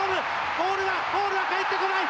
ボールはボールは返ってこない！